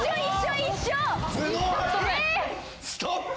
ストップ！